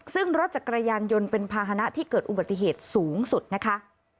ซึ่งรถจักรยานยนต์เป็นภาษณะที่เกิดอุบัติเหตุสูงสุดนะคะ